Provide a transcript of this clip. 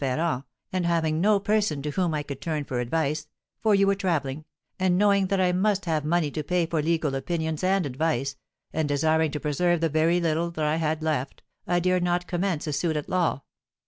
Ferrand, and having no person to whom I could turn for advice (for you were travelling), and knowing that I must have money to pay for legal opinions and advice, and desiring to preserve the very little that I had left, I dared not commence a suit at law.